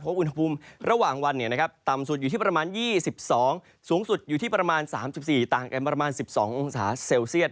เพราะอุณหภูมิระหว่างวันต่ำสุดอยู่ที่ประมาณ๒๒สูงสุดอยู่ที่ประมาณ๓๔ต่างกันประมาณ๑๒องศาเซลเซียต